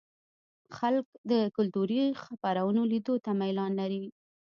خلک د کلتوري خپرونو لیدو ته میلان لري.